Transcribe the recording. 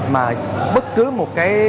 mà bất cứ một cái thể loại nào